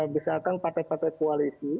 misalkan partai partai koalisi